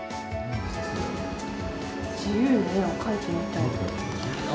自由に絵を描いてみたい。